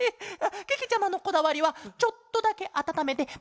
けけちゃまのこだわりはちょっとだけあたためてパクパクおくちに。